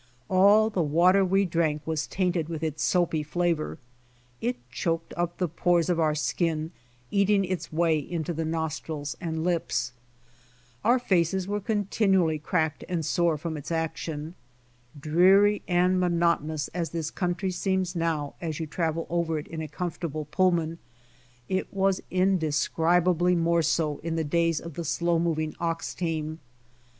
All the water we drank was tainted with its soapy flavor. It choked up the pores of our skin, eating its way into the nostrils and lips. Our faces were contin ually cracked and sore from its action. Dreary and monotonous as this country seems now as you travel over it in a comfortable Pullman, it was indescribably more so in the days of the slow moving ox team.